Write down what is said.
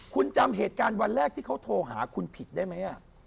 คุณจำเหตุการณ์วันแรกที่เขาโทรหาคุณผิดได้ไหม